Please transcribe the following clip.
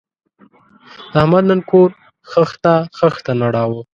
احمد نن کور خښته خښته نړاوه.